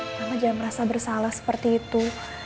mama jangan merasa bersalah seperti itu